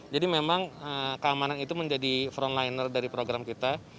jadi memang keamanan itu menjadi frontliner dari program kita